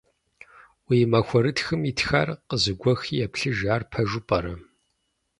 Уи махуэрытхым итхар къызэгуэхи еплъыж, ар пэжу пӀэрэ?